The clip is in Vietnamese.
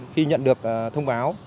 khi nhận được thông báo